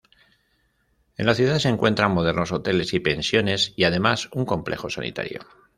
En la ciudad se encuentran modernos hoteles y pensiones y además un complejo sanitario.